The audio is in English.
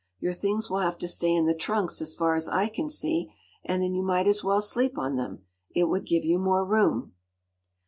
Your things will have to stay in the trunks, as far as I can see, and then you might as well sleep on them. It would give you more room!